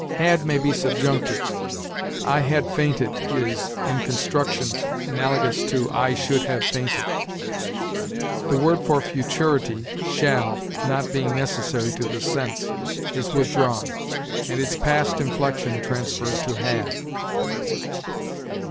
'Had' may be subjunctive; 'I had fainted' is, in construction, analogous to 'I should have fainted'; the word for futurity, 'shall,' not being necessary to the sense, is withdrawn, and its past inflexion transferred to 'have.'